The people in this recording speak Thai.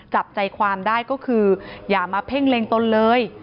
จับใจความได้ก็คืออย่ามาเพ่งเล็งตนเลย